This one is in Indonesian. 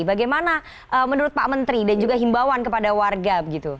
bagaimana menurut pak menteri dan juga himbawan kepada warga